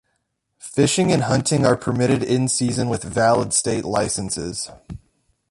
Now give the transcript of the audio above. Fishing and hunting are permitted in season with valid state licenses.